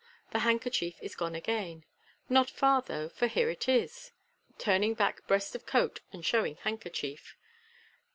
"The hand kerchief is gone again. Not far, though, for here it is '* (turning back breast of coat and showing handkerchief).